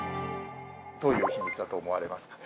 どういう秘密だと思われますか？